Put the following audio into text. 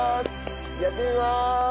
やってみます。